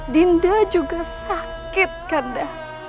dinda juga sakit kanda